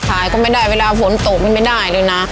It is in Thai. ขายก็ไม่ได้เวลาฝนตกมันไม่ได้เลยนะ